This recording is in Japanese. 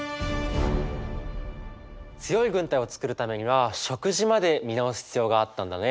強い軍隊を作るためには食事まで見直す必要があったんだね。